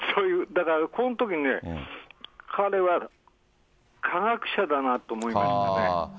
だからこのときね、彼は、科学者だなと思いましたね。